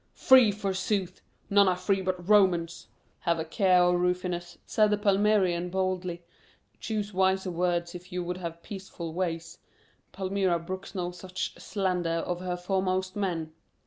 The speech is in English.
Free, forsooth! None are free but Romans." "Have a care, O Rufinus," said the Palmyrean boldly, "choose wiser words if you would have peaceful ways. Palmyra brooks no such slander of her foremost men."